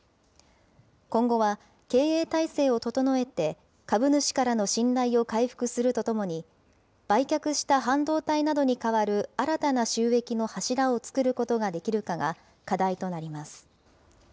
今後は経営体制を整えて、株主からの信頼を回復するとともに、売却した半導体などに代わる新たな収益の柱を作ることができるかが課題となります。